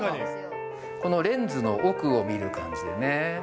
このレンズの奥を見る感じでね。